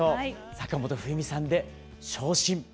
坂本冬美さんで「傷心」。